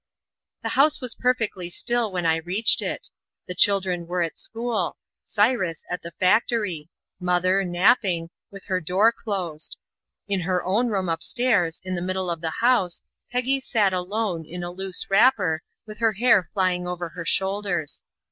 The house was perfectly still when I reached it. The children were at school; Cyrus, at the factory; mother, napping, with her door closed. In her own room up stairs, in the middle of the house, Peggy sat alone, in a loose wrapper, with her hair flying over her shoulders.